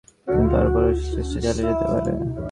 কিন্তু তারপরও সে চেষ্টা চালিয়ে যেতে থাকে।